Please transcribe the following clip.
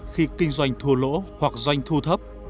khi kinh doanh thua lỗ hoặc doanh thu thấp